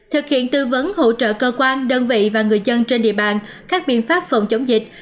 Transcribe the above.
thực hiện tư vấn hỗ trợ cơ quan đơn vị và người dân trên địa bàn các biện pháp phòng chống dịch